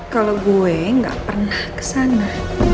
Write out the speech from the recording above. kalau gue gak pernah kesana